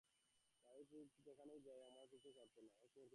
বাড়ির যেখানেই যাই, সে আমার পিছু ছাড়ত না, একমুহূর্তের জন্যেও না।